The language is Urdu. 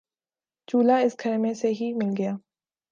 چولہا اس گھر میں سے ہی مل گیا